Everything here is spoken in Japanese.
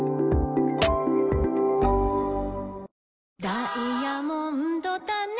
「ダイアモンドだね」